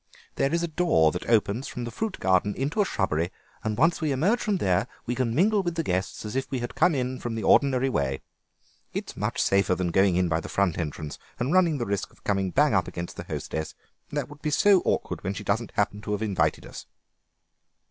There is a door that opens from the fruit garden into a shrubbery, and once we emerge from there we can mingle with the guests as if we had come in by the ordinary way. It's much safer than going in by the front entrance and running the risk of coming bang up against the hostess; that would be so awkward when she doesn't happen to have invited us."